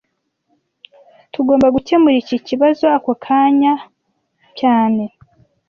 Tugomba gukemura iki kibazo ako kanya cyane